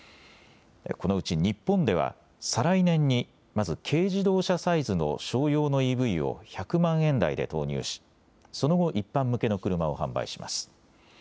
このうち日本では再来年にまず軽自動車サイズの商用のＥＶを１００万円台で投入しその後、一般向けの車を販売します。